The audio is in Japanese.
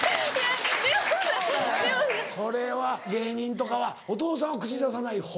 これは芸人とかはお父さんは口出さない方？